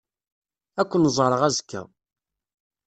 Ad ken-ẓṛeɣ azekka.